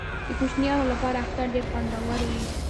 د کوچنیانو لپاره اختر ډیر خوندور وي.